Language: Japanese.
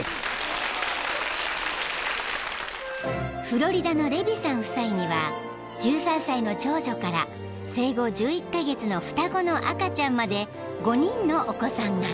［フロリダのレビさん夫妻には１３歳の長女から生後１１カ月の双子の赤ちゃんまで５人のお子さんが］